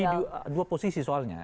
ini dua posisi soalnya